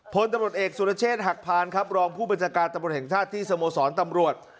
พลตำรวจเอกสุรเชษฐ์หักพานครับรองผู้บัญชาการตำรวจแห่งชาติที่สโมสรตำรวจ